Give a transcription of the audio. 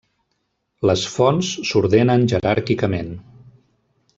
Les fonts s'ordenen jeràrquicament.